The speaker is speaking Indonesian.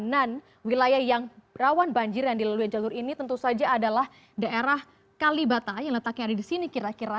dan wilayah yang rawan banjir yang dilalui jalur ini tentu saja adalah daerah kalibata yang letaknya ada di sini kira kira